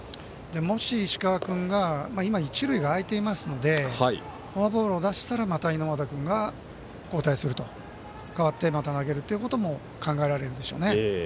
もし石川君が今、一塁が空いていますのでフォアボールを出したらまた猪俣君が交代すると代わってまた投げるということも考えられるでしょうね。